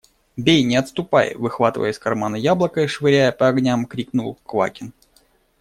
– Бей, не отступай! – выхватывая из кармана яблоко и швыряя по огням, крикнул Квакин.